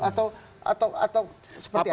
atau seperti apa